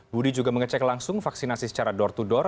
budi juga mengecek langsung vaksinasi secara door to door